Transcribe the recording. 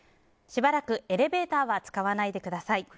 しばらくエレベーターは使わないでください。